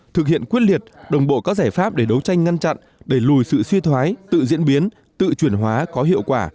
thực hiện quyết liệt đồng bộ các giải pháp để đấu tranh ngăn chặn đẩy lùi sự suy thoái tự diễn biến tự chuyển hóa có hiệu quả